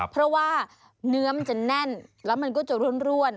เพราะว่าเนื้อมันจะแน่นแล้วมันก็จะร่วน